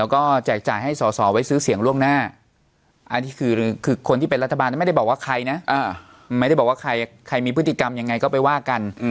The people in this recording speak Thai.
ใครมีพฤติกรรมยังไงก็ไปว่ากัน